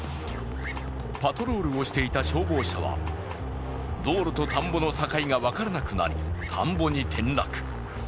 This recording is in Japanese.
パトロールをしていた消防車は道路と田んぼの境が分からなくなり、田んぼに転落。